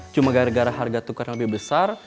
cuma gara gara harga tukarnya lebih besar